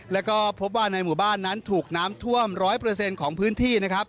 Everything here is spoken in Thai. แล้วก็พบว่าในหมู่บ้านนั้นถูกน้ำท่วม๑๐๐ของพื้นที่นะครับ